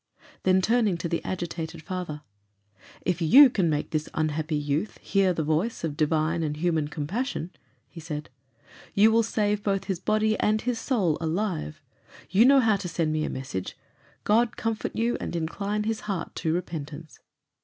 Then turning to the agitated father "If you can make this unhappy youth hear the voice of divine and human compassion," he said, "you will save both his body and his soul alive. You know how to send me a message. God comfort you, and incline his heart to repentance."